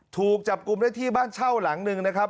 ถูกจับกลุ่มได้ที่บ้านเช่าหลังหนึ่งนะครับ